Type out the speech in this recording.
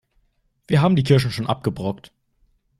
Wir haben die Kirschen schon abgebrockt.